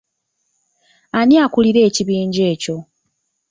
Ani akulira ekibinja ekyo?